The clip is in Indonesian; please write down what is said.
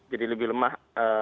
jadi lebih lemah